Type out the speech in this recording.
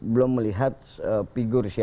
belum melihat figur siapa